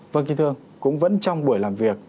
vâng kỳ thương cũng vẫn trong buổi làm việc